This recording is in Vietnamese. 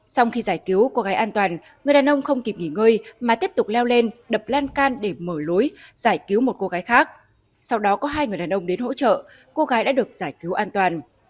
sau khi giải cứu cô gái an toàn người đàn ông không kịp nghỉ ngơi mà tiếp tục leo lên đập lan can để mở lối giải cứu một cô gái khác sau đó có hai người đàn ông đến hỗ trợ cô gái đã được giải cứu an toàn